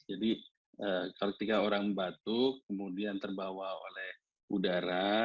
jadi ketika orang batuk kemudian terbawa oleh udara